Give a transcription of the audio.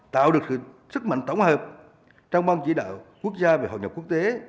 tạo được sức mạnh tổng hợp trong ban chỉ đạo quốc gia về hội nhập quốc tế